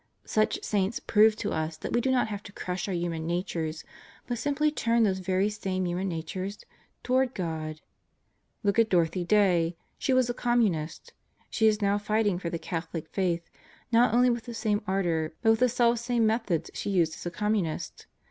Such saints prove to us that we do not have to crush our human natures, but simply turn those very same human natures toward God. Look at Dorothy Day. She was a Communist. She is now fighting for the Catholic Faith, not only with the same ardor, but with the selfsame methods she used as a Communist.